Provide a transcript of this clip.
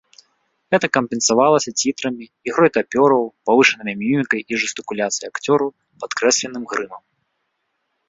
Гэта кампенсавалася цітрамі, ігрой тапёраў, павышанымі мімікай і жэстыкуляцыяй акцёраў, падкрэсленым грымам.